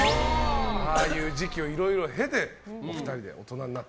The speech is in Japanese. ああいう時期をいろいろ経てお二人で大人になって。